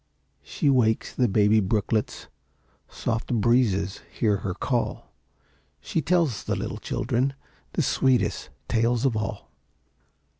She wakes the baby brooklets, Soft breezes hear her call; She tells the little children The sweetest tales of all.